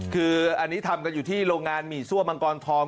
คืออันนี้ทำกันอยู่ที่โรงงานหมี่ซั่วมังกรทอง